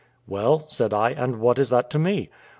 "Well," said I, "and what is that to me?"